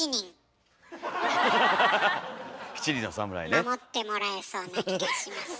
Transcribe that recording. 守ってもらえそうな気がします。